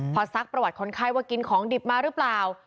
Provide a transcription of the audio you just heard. พอซักประวัติคนไข้ว่ากินของดิบมาหรือเปล่า